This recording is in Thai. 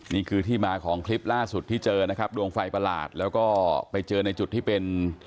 นี่คือที่มาของคลิปล่าสุดที่เจอนะครับดวงไฟประหลาดแล้วก็ไปเจอในจุดที่เป็น